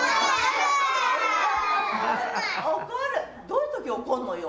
どういうとき怒んのよ。